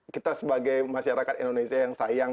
kita sebagai masyarakat indonesia yang sayang